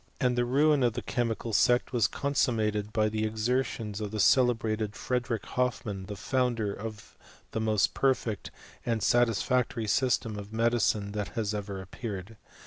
and the ruin of the chemical sect was consummated by the exertions of the celebrated Frederick Hoffmann, the founder of the most perfect and satisfactory sys tem of medicine that has ever appeared.